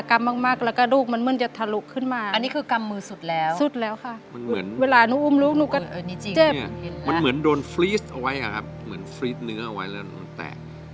ขอบคุณบังเอิญจะเจ็บนะ